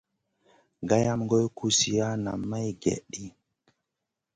Gayam goy kuziya nam may gèh ɗi.